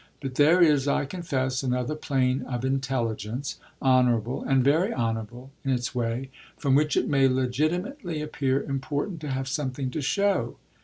But there is, I confess, another plane of intelligence, honourable, and very honourable, in its way, from which it may legitimately appear important to have something to show.